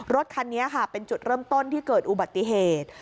รถคันนี้ค่ะเป็นจุดเริ่มต้นที่เกิดอุบัติเหตุ